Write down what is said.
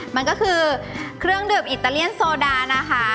มันก็คือเครื่องดื่มอิตาเลียนโซดานะคะ